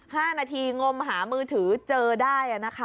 ห้านาทีง่วมหามือถือเจอได้